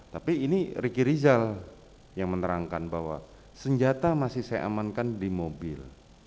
tapi ini riki rizal yang menerangkan bahwa senjata masih saya amankan di mobil